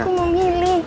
aku mau milih